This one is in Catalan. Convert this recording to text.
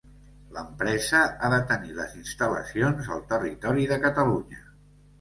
L'empresa ha de tenir les instal·lacions al territori de Catalunya.